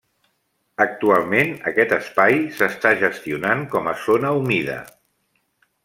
Actualment aquest espai s'està gestionant com a zona humida.